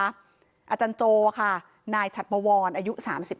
อาจารย์โจวะค่ะนายชัดประวรอายุ๓๕